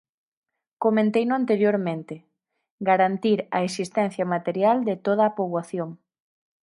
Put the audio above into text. Comenteino anteriormente: garantir a existencia material de toda a poboación.